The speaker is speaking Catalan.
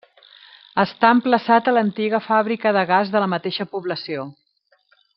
Està emplaçat a l'antiga Fàbrica de Gas de la mateixa població.